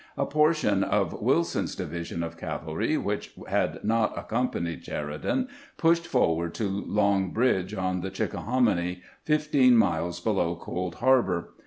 A portion of Wil son's division of cavalry which had not accompanied Sheridan pushed forward to Long Bridge on the Chick ahominy, fifteen miles below Cold Harbor.